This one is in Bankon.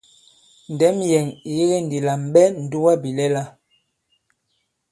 Ndɛ̌m yɛ̀ŋ ì yege ndī lā mɛ̀ ɓɛ ǹdugabìlɛla.